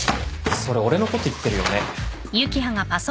それ俺のこと言ってるよね。